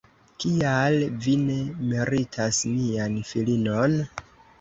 Kial vi ne meritas mian filinon?